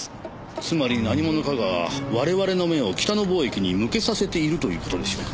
つまり何者かが我々の目を北野貿易に向けさせているという事でしょうか？